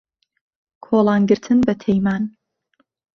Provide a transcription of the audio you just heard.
کۆڵان گرتن بە تەیمان